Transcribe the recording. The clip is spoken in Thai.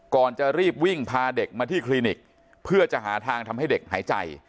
ก่อนจะรีบวิ่งพาเด็กมาที่คลินิกเพื่อจะหาทางทำให้เด็กหายใจ